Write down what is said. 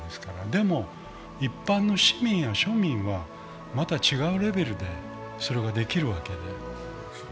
でも、一般の市民や庶民はまた違うレベルでそれができるわけで。